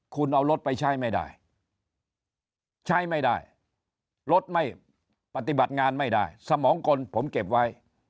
คุณเอารถไปใช้ไม่ได้ใช้ไม่ได้รถไม่ปฏิบัติงานไม่ได้สมองกลผมเก็บไว้